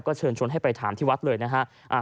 เชิญชวนให้ไปถามที่วัดเลยนะฮะ